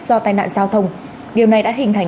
do tai nạn giao thông điều này đã hình thành